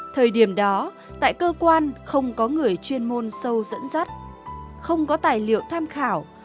thời điểm đó tại cơ quan không có người chuyên môn sâu dẫn dắt không có tài liệu tham khảo